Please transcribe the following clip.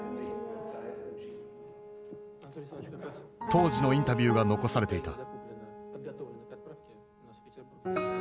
当時のインタビューが残されていた。